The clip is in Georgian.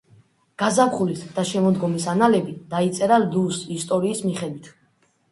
გაზაფხულის და შემოდგომის ანალები დაიწერა ლუს ისტორიის მიხედვით.